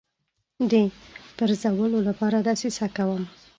د پرزولو لپاره دسیسه کوم.